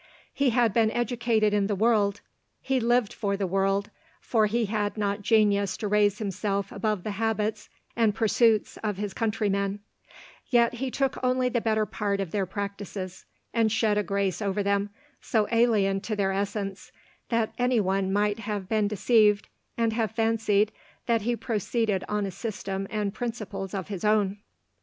He had been educated in the world — he lived for the world, for he had not genius to raise himself above the habits and pursuits of his countrymen : vet he took only the better part of their practices ; and shed a grace over them, so alien to their essence, that anyone might have been deceived, and have fancied that he proceeded on a system and principles of his own.